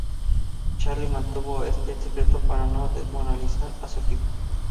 Charlie mantuvo esto en secreto para no desmoralizar a su equipo.